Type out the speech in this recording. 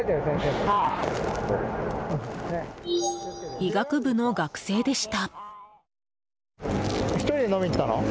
医学部の学生でした。